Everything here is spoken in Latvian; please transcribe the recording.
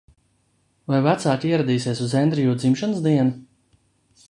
Vai vecāki ieradīsies uz Endrjū dzimšanas dienu?